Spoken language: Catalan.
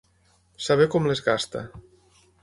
Saber com les gasta.